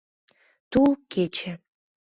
Тул кече!